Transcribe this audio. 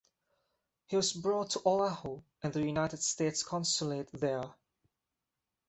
He was brought to Oahu and the United States Consulate there.